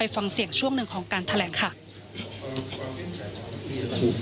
ฟังเสียงช่วงหนึ่งของการแถลงค่ะ